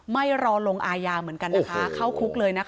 ไม่รอลงอายาเหมือนกันนะคะเข้าคุกเลยนะคะ